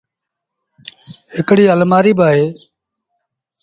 هڪڙيٚ المآريٚ با اهي۔